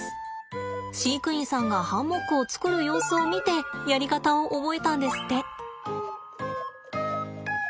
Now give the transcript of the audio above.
飼育員さんがハンモックを作る様子を見てやり方を覚えたんですって。